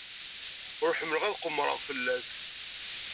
Ur ḥemmleɣ ad qemmreɣ fell-as.